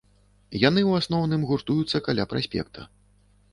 Яны ў асноўным гуртуюцца каля праспекта.